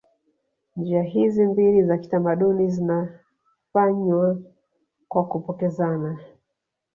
Njia hizi mbili za kitamaduni zinafanywa kwa kupokezana